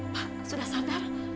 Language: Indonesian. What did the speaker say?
pak sudah sadar